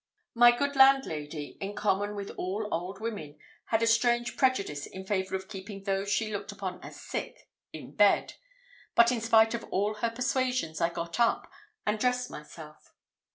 My good landlady, in common with all old women, had a strange prejudice in favour of keeping those she looked upon as sick in bed; but in spite of all her persuasions, I got up and dressed myself.